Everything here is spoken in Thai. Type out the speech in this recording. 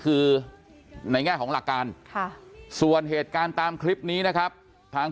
คือในแง่ของหลักการส่วนเหตุการณ์ตามคลิปนี้นะครับทาง